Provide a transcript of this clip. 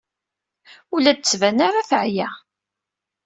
Ur la d-tettban ara teɛya.